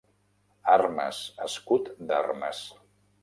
Armes, escut d'armes